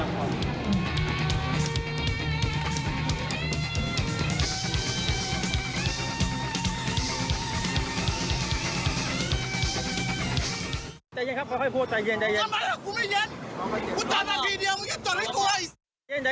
มันจอดอย่างง่ายอย่างง่ายอย่างง่าย